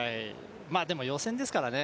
でも予選ですからね